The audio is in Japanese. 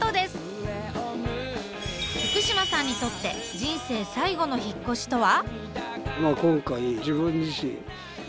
福島さんにとって人生最後の引っ越しとは？